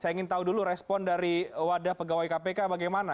saya ingin tahu dulu respon dari wadah pegawai kpk bagaimana